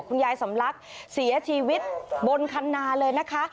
คุณยายสำลักเสียชีวิตบนคันนาเลยนะคะ